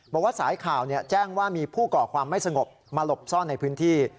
บอกว่าสายข่าวแจ้งว่ามีผู้ก่อความไม่สงบมาหลบซ่อนในพื้นที่